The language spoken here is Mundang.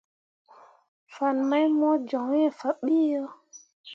Fan mai mo joŋ iŋ faɓeʼ yo.